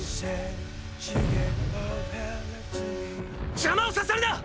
邪魔をさせるな！